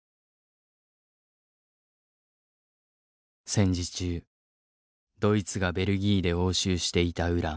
戦時中ドイツがベルギーで押収していたウラン。